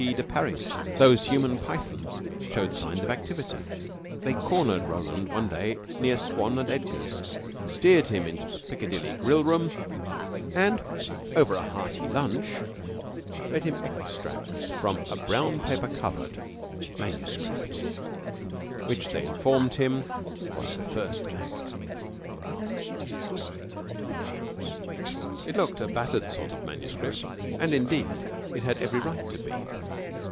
de Parys those human pythons showed signs of activity. They cornered Roland one day near Swan and Edgar's, steered him into the Piccadilly Grill room and, over a hearty lunch, read him extracts from a brown paper covered manuscript which, they informed him, was the first act. It looked a battered sort of manuscript and, indeed, it had every right to be.